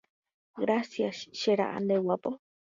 Gracias, che ra’a. Nde guápo.